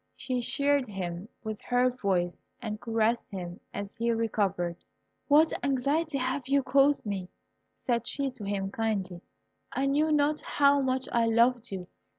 She cheered him with her voice and caressed him as he recovered. "What anxiety have you caused me?" said she to him, kindly; "I knew not how much I loved you.